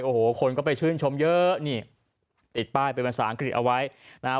โอ้โหคนก็ไปชื่นชมเยอะนี่ติดป้ายเป็นภาษาอังกฤษเอาไว้นะฮะ